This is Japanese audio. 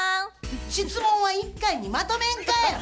質問は一回にまとめんかい！